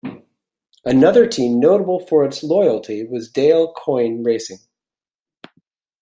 Another team notable for its loyalty was Dale Coyne Racing.